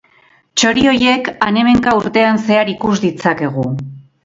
Txori horiek han-hemenka urtean zehar ikus ditzakegu.